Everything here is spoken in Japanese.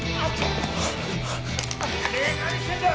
てめえ何してんだ！